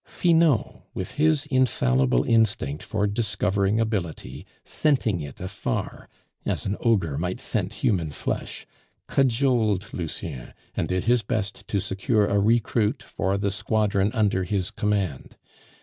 Finot, with his infallible instinct for discovering ability, scenting it afar as an ogre might scent human flesh, cajoled Lucien, and did his best to secure a recruit for the squadron under his command.